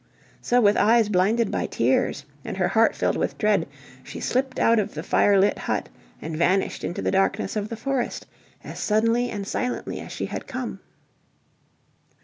So with eyes blinded with tears, and her heart filled with dread, she slipped out of the fire lit hut, and vanished into the darkness of the forest as suddenly and silently as she had come.